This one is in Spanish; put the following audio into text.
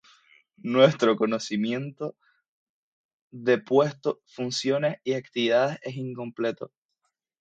Nuestro conocimiento de su puesto, funciones y actividades es incompleto.